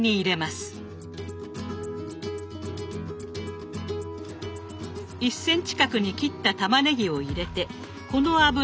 １ｃｍ角に切ったたまねぎを入れてこの油で煮ます。